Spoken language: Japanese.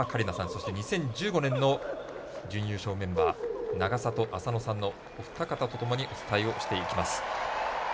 そして２０１５年の準優勝メンバー永里亜紗乃さんのお二方とともにお伝えをしていきます。